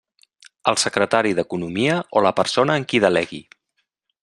El secretari d'Economia o la persona en qui delegui.